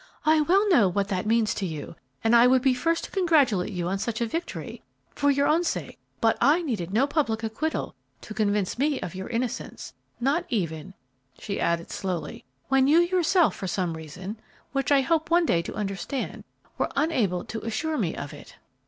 "I well know what that means to you, and I would be first to congratulate you on such a victory, for your own sake; but I needed no public acquittal to convince me of your innocence, not even," she added, slowly, "when you yourself for some reason, which I hope one day to understand, were unable to assure me of it."